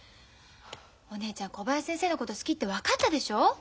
お姉ちゃん小林先生のこと好きって分かったでしょ？